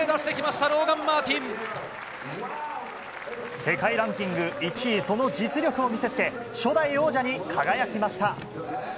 ローガン・マー世界ランキング１位、その実力を見せつけ初代王者に輝きました。